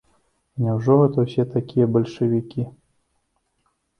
І няўжо гэта ўсе такія бальшавікі.